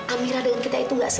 amira dengan kita itu gak se level